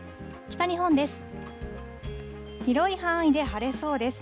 北日本です。